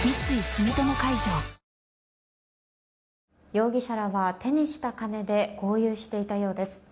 容疑者らは、手にした金で豪遊していたようです。